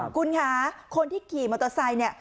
คุณคะคนที่ขี่มอเตอร์ไซค์เนี่ย